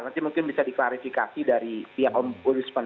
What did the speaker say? nanti mungkin bisa diklarifikasi dari pihak om busman